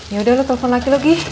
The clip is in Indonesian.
yaudah lu telfon lagi loh gi